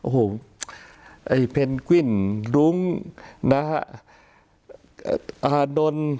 โหไอเพ็นกวินลุ้งนะอะนน